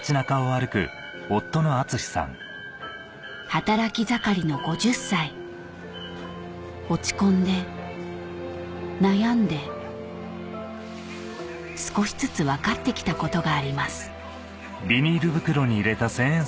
働き盛りの５０歳落ち込んで悩んで少しずつ分かってきたことがあります